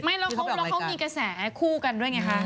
ไม่แล้วเขามีกระแสคู่กันด้วยไงคะ